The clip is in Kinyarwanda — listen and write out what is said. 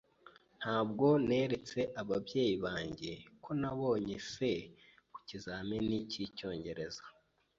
Ntabwo naretse ababyeyi banjye ko nabonye C ku kizamini cyicyongereza.